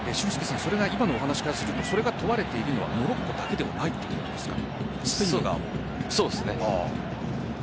今のお話からするとそれが問われているのはモロッコだけではないそうですね。